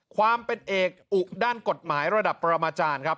ความเป็นเอกอุด้านกฎหมายระดับปรมาจารย์ครับ